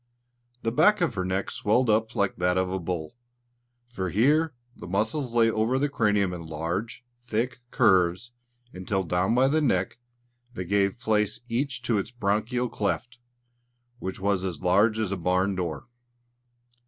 The back of her neck swelled up like that of a bull, for here the muscles lay over the cranium in large, thick curves, until down by the neck, they gave place each to its branchial cleft, which was as large as a barn door.